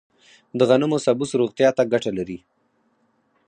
د غنمو سبوس روغتیا ته ګټه لري.